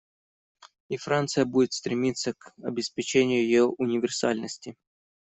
И Франция будет стремиться к обеспечению ее универсальности.